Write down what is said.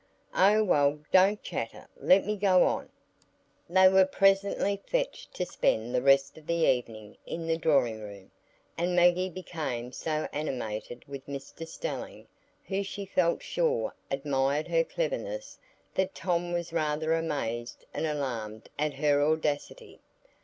"Oh, well, don't chatter. Let me go on." They were presently fetched to spend the rest of the evening in the drawing room, and Maggie became so animated with Mr Stelling, who, she felt sure, admired her cleverness, that Tom was rather amazed and alarmed at her audacity.